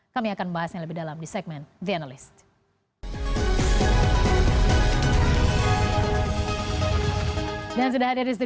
kami akan bahasnya lebih dalam di segmen the analyst